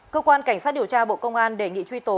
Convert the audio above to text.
cơ quan cảnh sát điều tra bộ công an đề nghị truy tố